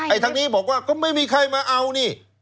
ทางนี้บอกว่าก็ไม่มีใครมาเอานี่